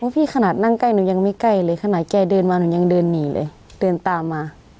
ขนาดนั่งใกล้หนูยังไม่ใกล้เลยขนาดแกเดินมาหนูยังเดินหนีเลยเดินตามมา